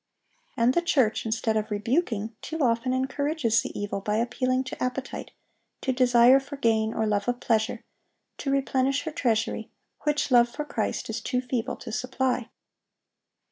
And the church, instead of rebuking, too often encourages the evil by appealing to appetite, to desire for gain or love of pleasure, to replenish her treasury, which love for Christ is too feeble to supply.